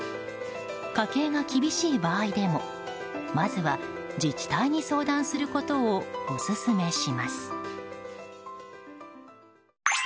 家計が厳しい場合でもまずは自治体に相談することをオススメします。